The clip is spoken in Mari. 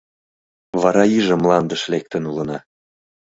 Вара иже мландыш лектын улына.